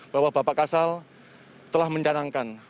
bahwa bapak kasal telah mencanangkan